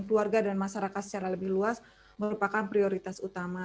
keluarga dan masyarakat secara lebih luas merupakan prioritas utama